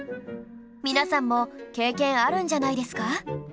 皆さんも経験あるんじゃないですか？